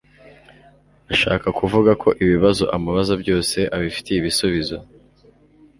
ashaka kuvuga ko ibibazo amubaza byose abifitiye ibisubizo